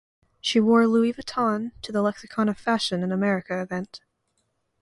She wore Louis Vuitton to the Lexicon of Fashion in America event.